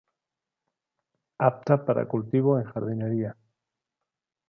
Apta para cultivo en jardinería.